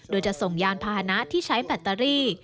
โดยจะส่งยานพาหนะที่ใช้แบตเตอรี่